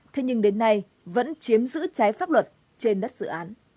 thế nhưng đến nay vẫn chiếm giữ trái pháp luật trên đất dự án